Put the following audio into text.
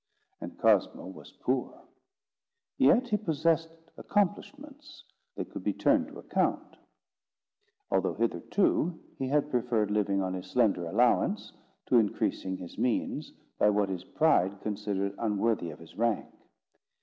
And Cosmo was poor. Yet he possessed accomplishments that could be turned to account; although, hitherto, he had preferred living on his slender allowance, to increasing his means by what his pride considered unworthy of his rank.